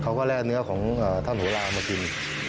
เค้าก็แลกเนื้อของท่านหล่าเอามากิน